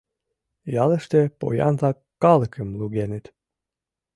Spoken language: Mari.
Ялыште поян-влак калыкым лугеныт.